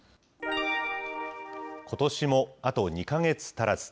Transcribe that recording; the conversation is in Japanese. ことしもあと２か月足らず。